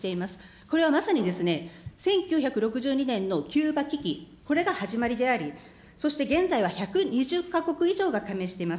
これはまさにですね、１９６２年のキューバ危機、これが始まりであり、そして現在は１２０か国以上が加盟しています。